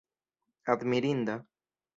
admirinda